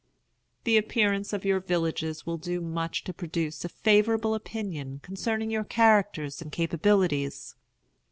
The appearance of your villages will do much to produce a favorable opinion concerning your characters and capabilities.